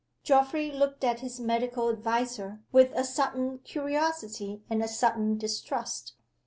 Geoffrey looked at his medical adviser with a sudden curiosity and a sudden distrust.